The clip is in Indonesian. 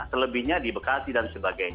selebihnya di bekasi dan sebagainya